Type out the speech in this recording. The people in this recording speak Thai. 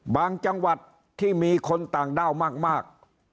จังหวัดที่มีคนต่างด้าวมาก